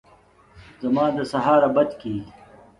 زما د سهاره بد کېږي !